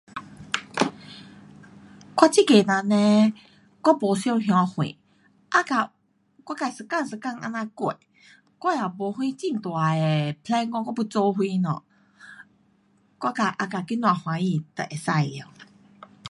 我这个人呢，我没想那远，agak 我自一天一天这样过，我也没什很大的 plan 讲我要做什么，我自 agak 今天开心就可以了。